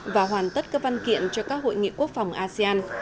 và hoàn tất các văn kiện cho các hội nghị quốc phòng asean